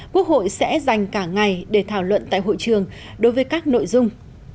quốc hội sẽ dành cả ngày để thảo luận tại hội trường đối với các nội dung